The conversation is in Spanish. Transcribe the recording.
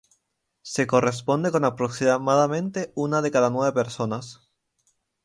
Se corresponde con aproximadamente una de cada nueve personas.